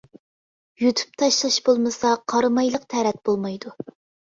يۇتۇپ تاشلاش بولمىسا قارا مايلىق تەرەت بولمايدۇ.